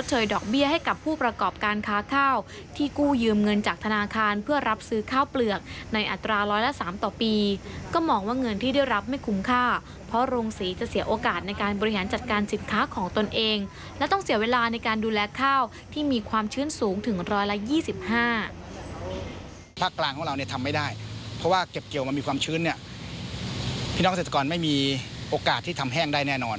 ทำไม่ได้เพราะว่าเก็บเกี่ยวมันมีความชื้นเนี่ยพี่น้องเศรษฐกรไม่มีโอกาสที่ทำแห้งได้แน่นอน